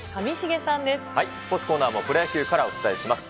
スポーツコーナーもプロ野球からお伝えします。